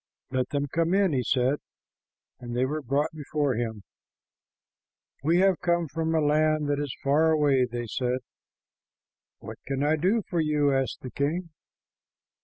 "Let them come in," he said, and the were brought before him. "We have come from a land that is far away," they said. "What can I do for you?" asked the king.